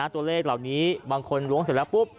ตัวเลขเหล่านี้บางคนล้วงเสร็จแล้วปุ๊บ